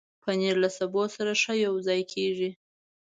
پنېر له سبو سره ښه یوځای کېږي.